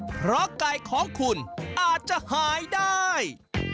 เพราะไก่ของคุณอาจจะหายได้